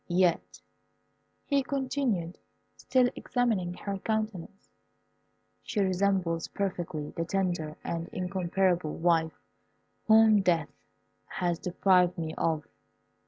Yet," he continued, still examining her countenance, "she resembles perfectly the tender and incomparable wife whom death has deprived me of.